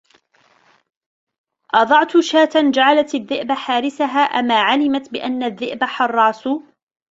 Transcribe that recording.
أضعت شاة جعلت الذئب حارسها أما علمت بأن الذئب حراس